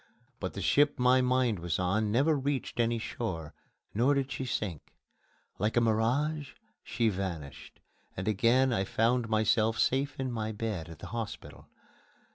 But the ship my mind was on never reached any shore, nor did she sink. Like a mirage she vanished, and again I found myself safe in my bed at the hospital.